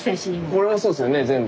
これはそうですよね全部。